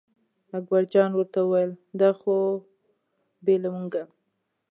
اکبرجان ورته وویل دا خو بې له مونږه.